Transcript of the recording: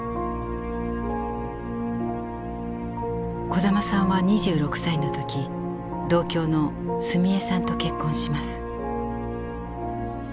小玉さんは２６歳の時同郷のスミヱさんと結婚します。